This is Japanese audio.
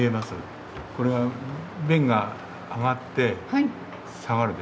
これが弁が上がって下がるでしょ。